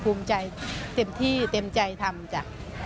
ภูมิใจเต็มที่เต็มใจทำจ้ะ